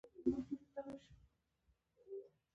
که په هر ساعت کې د کارګر مزد هماغه لس افغانۍ وي